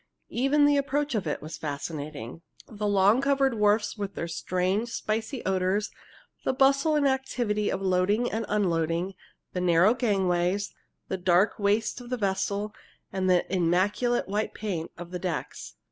Even the approach to it was fascinating, the long, covered wharves with their strange, spicy odors, the bustle and activity of loading and unloading, the narrow gangways, the dark waist of the vessel, and the immaculate white paint of the decks.